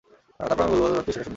তারপরও আমি বলবো আর তুই সেটা শুনবি।